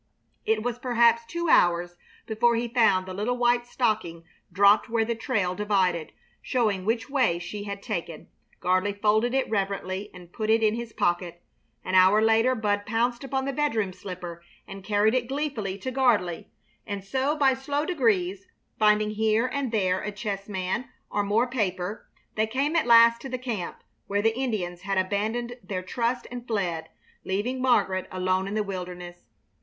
It was perhaps two hours before he found the little white stocking dropped where the trail divided, showing which way she had taken. Gardley folded it reverently and put it in his pocket. An hour later Bud pounced upon the bedroom slipper and carried it gleefully to Gardley; and so by slow degrees, finding here and there a chessman or more paper, they came at last to the camp where the Indians had abandoned their trust and fled, leaving Margaret alone in the wilderness.